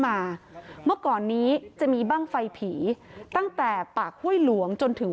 มาเมื่อก่อนนี้จะมีบ้างไฟผีตั้งแต่ปากห้วยหลวงจนถึง